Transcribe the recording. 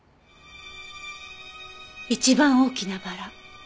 一番大きなバラ。